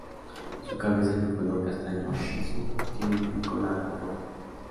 Su cabeza es de color castaño rojizo, y tiene un pico largo rojo.